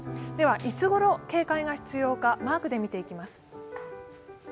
ではいつごろ警戒が必要か、マークで見ていきます。